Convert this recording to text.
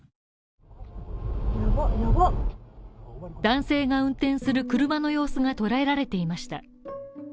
男性が運転する車の様子が捉えられていました。